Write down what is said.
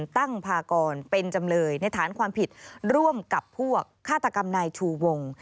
ตั้งพากรเป็นจำเลยในฐานความผิดร่วมกับพวกฆาตกรรมนายชูวง